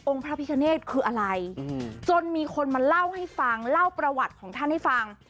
พระพิคเนธคืออะไรจนมีคนมาเล่าให้ฟังเล่าประวัติของท่านให้ฟัง